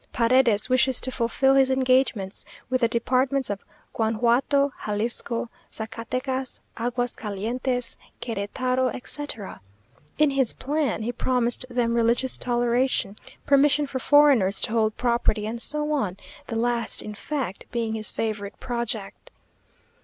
Paredes wishes to fulfil his engagements with the departments of Guanjuato, Jalisco, Zacatecas, Aguas Calientes, Queretaro, etc. In his plan he promised them religious toleration, permission for foreigners to hold property, and so on the last, in fact, being his favourite project.